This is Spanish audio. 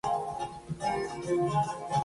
Estudió teología en Alemania e Inglaterra.